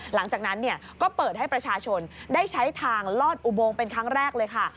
หลังจากนั้นก็เปิดให้ประชาชนได้ใช้ทางลอดอุโมงเป็นครั้งแรกเลยค่ะ